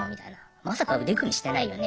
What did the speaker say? まさか腕組みしてないよね？